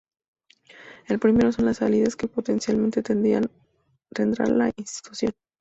El primero son las salidas que potencialmente tendrá la institución.